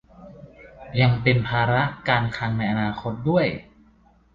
ยังเป็นภาระการคลังในอนาคตด้วย